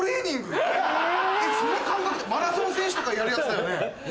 その感覚ってマラソン選手とかやるやつだよね？